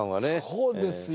そうですよ！